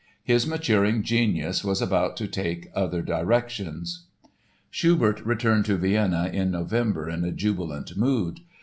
His maturing genius was about to take other directions. Schubert returned to Vienna in November in a jubilant mood.